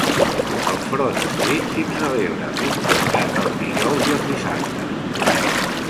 Al Front Street s'hi celebra un mercat els dijous i els dissabtes.